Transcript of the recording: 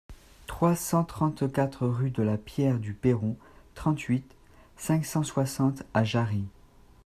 trois cent trente-quatre rue de la Pierre du Perron, trente-huit, cinq cent soixante à Jarrie